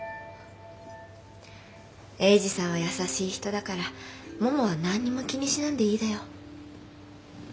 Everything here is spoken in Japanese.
英治さんは優しい人だからももは何にも気にしなんでいいだよ。